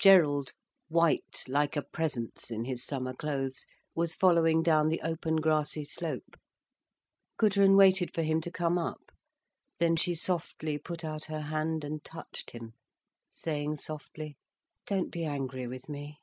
Gerald, white like a presence in his summer clothes, was following down the open grassy slope. Gudrun waited for him to come up. Then she softly put out her hand and touched him, saying softly: "Don't be angry with me."